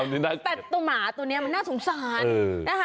แต่ตัวหมาตัวนี้มันน่าสงสารนะคะ